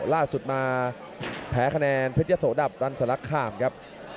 ล่าสุดมาแพ้คะแนนเพชรยะโสดับรันสลักคามครับ